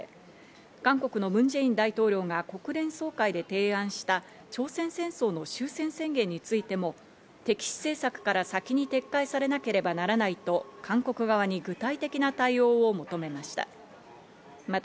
韓国のムン・ジェイン大統領が国連総会で提案した朝鮮戦争の終戦宣言についても敵視政策から先に撤回されなければならないと、韓国側に具体的な対応を求めました。